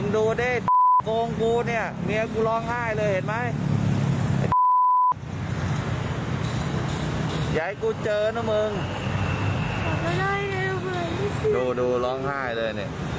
โดนเป็น๒๘๐ร้องไห้เลย